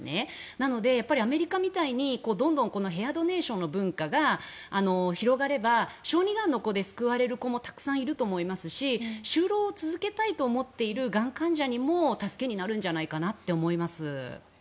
なので、アメリカみたいにどんどんヘアドネーションの文化が広がれば小児がんの子で救われる子もたくさんいると思いますし就労を続けたいと思っているがん患者にも助けになるんじゃないかなと思います。